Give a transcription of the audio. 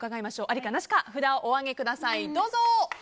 ありかなしか札をお上げください。